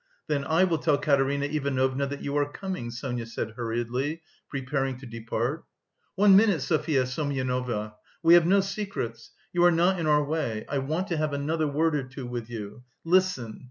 "Then I will tell Katerina Ivanovna that you are coming," Sonia said hurriedly, preparing to depart. "One minute, Sofya Semyonovna. We have no secrets. You are not in our way. I want to have another word or two with you. Listen!"